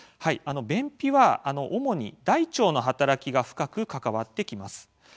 便秘は主に大腸の働きが深く関わってきます。